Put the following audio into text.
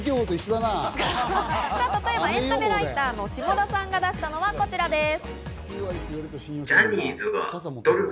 例えばエンタメライターの霜田さんが出したのはこちらです。